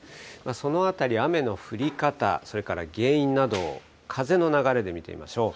そのあたり、雨の降り方、それから原因などを風の流れで見てみましょう。